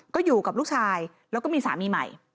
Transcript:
ก็อยู่กับลูกชายแล้วก็มีสามีใหม่